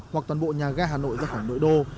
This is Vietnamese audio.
hoặc toàn bộ nhà ga hà nội ra khỏi nội đô